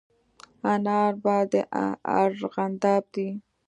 انار په د ارغانداب دي